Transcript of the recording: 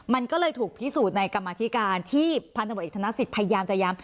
มันก็เลยถูกพิสูจน์ในกรรมธิการที่พันธบทเอกธนสิทธิ์พยายามจะย้ำ